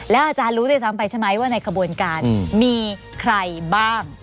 อาจารย์รู้ด้วยซ้ำไปใช่ไหมว่าในขบวนการมีใครบ้าง